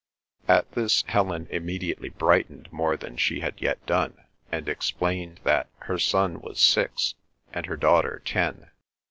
At this Helen immediately brightened more than she had yet done, and explained that her son was six and her daughter ten.